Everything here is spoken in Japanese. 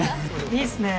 いいですね。